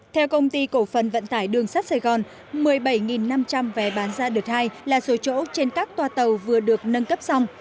theo công ty cổ phần vận tải đường sắt sài gòn một mươi bảy năm trăm linh vé bán ra đợt hai là số chỗ trên các toa tàu vừa được nâng cấp xong